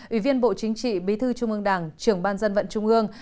ủy viên bộ chính trị bí thư trung ương đảng trưởng ban dân vận trung ương